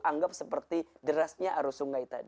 anggap seperti derasnya arus sungai tadi